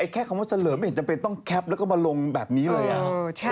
แค่คำว่าเฉลิมไม่เห็นจำเป็นต้องแคปแล้วก็มาลงแบบนี้เลย